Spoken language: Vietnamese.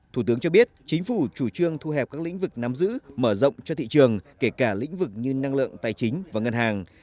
thủ tướng cho biết chính phủ chủ trương thu hẹp các lĩnh vực nắm giữ mở rộng cho thị trường kể cả lĩnh vực như năng lượng tài chính và ngân hàng